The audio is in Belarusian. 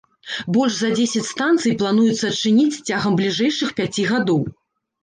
Больш за дзесяць станцый плануецца адчыніць цягам бліжэйшых пяці гадоў.